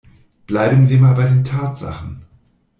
Bleiben wir mal bei den Tatsachen!